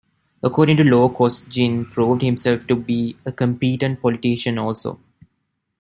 According to Law Kosygin proved himself to be a "competent politician" also.